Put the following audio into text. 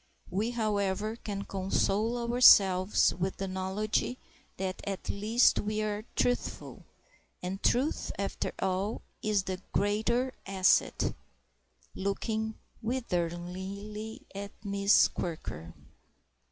We, however, can console ourselves with the knowledge that at least we are truthful; and truth, after all, is the greater asset"—looking witheringly at Miss Quirker.